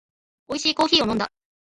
おいしいコーヒーを飲んだ